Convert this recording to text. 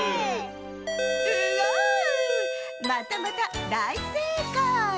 またまただいせいかい！